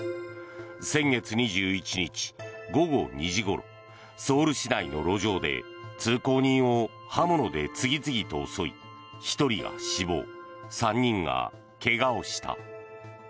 先月２１日午後２時ごろソウル市内の路上で通行人を刃物で次々と襲い１人が死亡、３人が怪我をした。